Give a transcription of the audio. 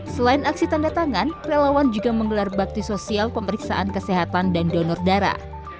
selain aksi tanda tangan relawan juga menggelar bakti sosial pemeriksaan kesehatan dan donor darah